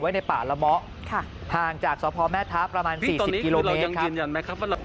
ไว้ในป่าละเมาะค่ะทางจากสพแม่ท้าประมาณสี่สิบกิโลเมตรครับ